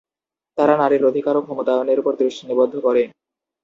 তারা নারীর অধিকার ও ক্ষমতায়নের উপর দৃষ্টি নিবদ্ধ করে।